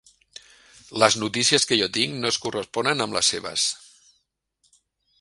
Les notícies que jo tinc no es corresponen amb les seves.